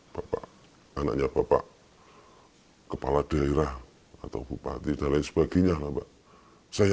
bapak anaknya bapak kepala daerah atau bupati dan lain sebagainya lah pak saya